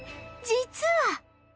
実は